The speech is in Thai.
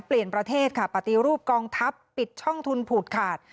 เปลี่ยนประเทศค่ะปฏิรูปกองทัพปิดช่องทุนผูกขาด